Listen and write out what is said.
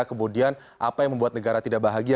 kemudian apa yang membuat negara tidak bahagia